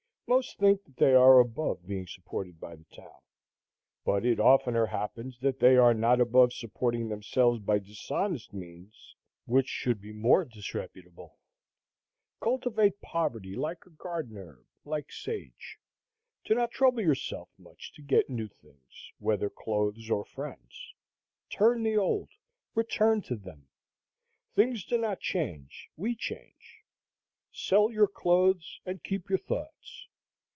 Most think that they are above being supported by the town; but it oftener happens that they are not above supporting themselves by dishonest means, which should be more disreputable. Cultivate poverty like a garden herb, like sage. Do not trouble yourself much to get new things, whether clothes or friends. Turn the old; return to them. Things do not change; we change. Sell your clothes and keep your thoughts.